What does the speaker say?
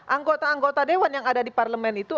anggota anggota dewan yang ada di parlemen itu